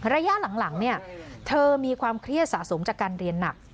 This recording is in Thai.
ระยะหลังเนี่ยเธอมีความเครียดสะสมจากการเรียนหนัก